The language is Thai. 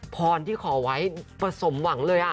พรที่ขอไว้ประสมหวังเลย